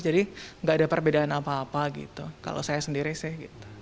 jadi nggak ada perbedaan apa apa gitu kalau saya sendiri sih